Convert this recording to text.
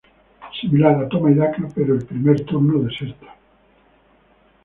Similar a "Toma y daca", pero el primer turno deserta.